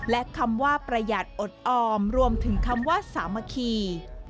และคำว่าประหยัดอดออมรวมถึงคำว่าสามัคคี